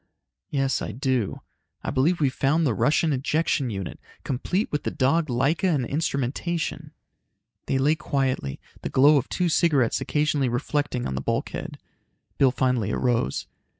"Yes, I do. I believe we've found the Russian ejection unit, complete with the dog Laika and instrumentation." They lay quietly, the glow of two cigarettes occasionally reflecting on the bulkhead. Bill finally arose.